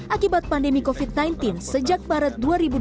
akibat pandemi covid sembilan belas sejak maret dua ribu dua puluh